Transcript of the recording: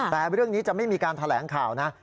แต่เรื่องนี้จะไม่มีการแถลงข่าวนะ